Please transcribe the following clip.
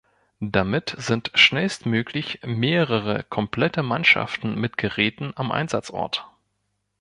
Damit sind schnellstmöglich mehrere komplette Mannschaften mit Geräten am Einsatzort.